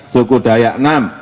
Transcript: suku dayak enam